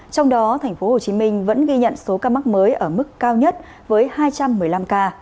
trong đó tp hcm vẫn ghi nhận số ca mắc mới ở mức cao nhất với hai trăm một mươi năm ca